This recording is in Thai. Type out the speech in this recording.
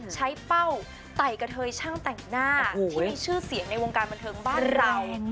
เป้าไต่กระเทยช่างแต่งหน้าที่มีชื่อเสียงในวงการบันเทิงบ้านเรา